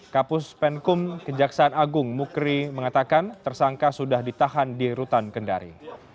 kapus penkum kejaksaan agung mukri mengatakan tersangka sudah ditahan di rutan kendari